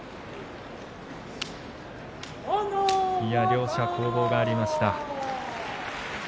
両者、攻防がありました。